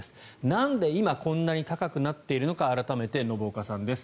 なんで今こんなに高くなっているのか改めて信岡さんです。